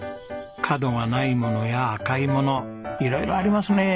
角がないものや赤いもの色々ありますね。